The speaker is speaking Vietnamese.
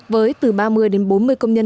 với từ ba mươi đến bốn mươi công nhân